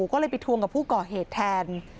ก็เลยไปทวงกับผู้ก่อเหตุแทน